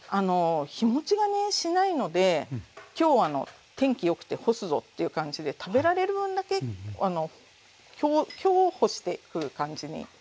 日持ちがねしないので今日天気よくて干すぞっていう感じで食べられる分だけ今日干して食う感じにして下さい。